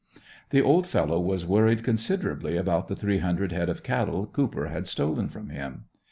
The old fellow was worried considerably about the three hundred head of cattle Cooper had stolen from him.